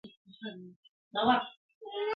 زمرد د افغانستان د بشري فرهنګ برخه ده.